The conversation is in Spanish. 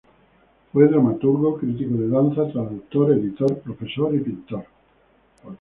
Fue dramaturgo, crítico de danza, traductor, editor, profesor y pintor.